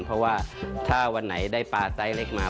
เพราะว่าถ้าวันไหนได้ปลาไซส์เล็กมา